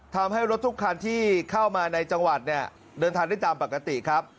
ทำให้รถทุกคันที่เข้ามาในจังหวัดเนี่ยเดินทางได้ตามปกติครับ